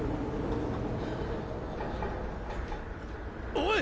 おい！